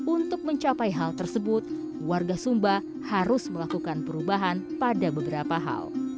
untuk mencapai hal tersebut warga sumba harus melakukan perubahan pada beberapa hal